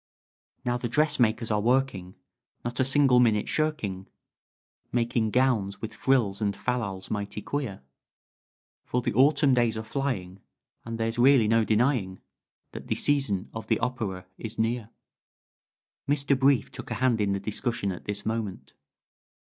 "Now the dressmakers are working Not a single minute shirking Making gowns with frills and fal lals mighty queer, For the Autumn days are flying, And there's really no denying That the season of the opera is near." Mr. Brief took a hand in the discussion at this moment.